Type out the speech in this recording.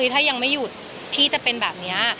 ถ้ายังไม่หยุดที่จะเป็นแบบนี้